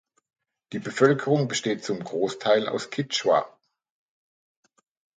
Die Bevölkerung besteht zum Großteil aus Kichwa.